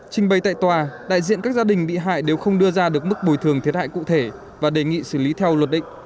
trình bày tại tòa đại diện các gia đình bị hại đều không đưa ra được mức bồi thường thiệt hại cụ thể và đề nghị xử lý theo luật định